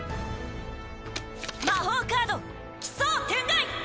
魔法カード奇装天鎧！